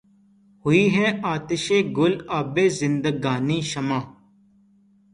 ہوئی ہے آتشِ گُل آبِ زندگانیِ شمع